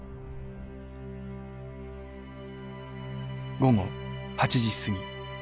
午後８時過ぎ。